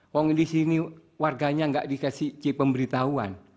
orang di sini warganya tidak dikasih c pemberitahuan